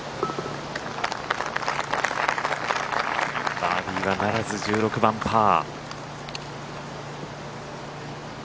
バーディーはならず１６番、パー。